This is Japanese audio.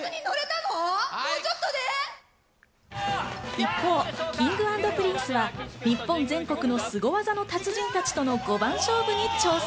一方、Ｋｉｎｇ＆Ｐｒｉｎｃｅは日本全国のスゴ技の達人たちとの５番勝負に挑戦。